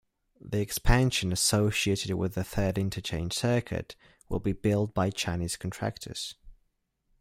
The expansion associated with the Third Interchange Circuit will be built by Chinese contractors.